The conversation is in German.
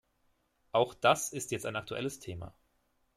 Auch das ist jetzt ein aktuelles Thema.